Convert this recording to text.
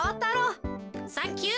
サンキュー。